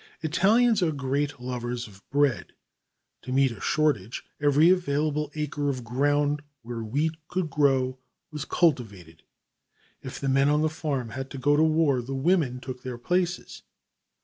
Italians are great lovers of bread. To meet a shortage, every available acre of ground where wheat would grow was cultivated. If the men on the farm had gone to war, the women took their places.